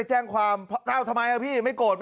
เท่าไหร่รู้ไหม